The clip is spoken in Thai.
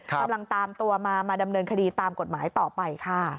กำลังตามตัวมามาดำเนินคดีตามกฎหมายต่อไปค่ะ